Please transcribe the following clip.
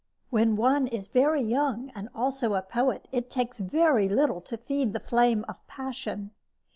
When one is very young and also a poet, it takes very little to feed the flame of passion.